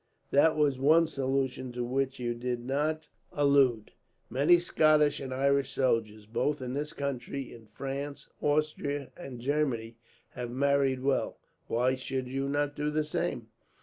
There was one solution to which you did not allude. Many Scottish and Irish soldiers, both in this country, in France, Austria, and Germany, have married well. Why should you not do the same?"